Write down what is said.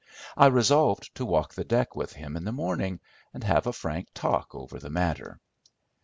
I resolved to walk the deck with him in the morning, and have a frank talk over the matter.